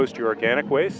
sau đó là rác vô cơ